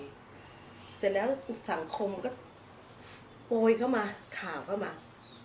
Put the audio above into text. เสร็จแล้วสังคมก็โปรยเข้ามาข่าวเข้ามา